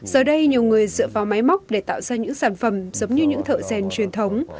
giờ đây nhiều người dựa vào máy móc để tạo ra những sản phẩm giống như những thợ rèn truyền thống